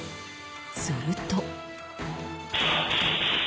すると。